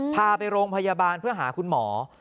พาไปโรงพยาบาลเพื่อหาคุณหมอ